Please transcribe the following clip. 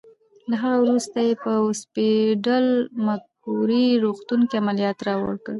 له هغه وروسته یې په اوسپیډل مګوري روغتون کې عملیات راوکړل.